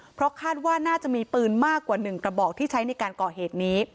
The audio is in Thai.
เพราะคาดว่าน่าจะมีปืนมากกว่า๑กระบอกที่ใช้ในการก่อเหตุนี้